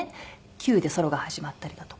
キューでソロが始まったりだとか。